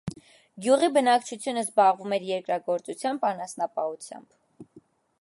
Գյուղի բնակչությունը զբաղվում էր երկրագործությամբ, անասնապահությամբ։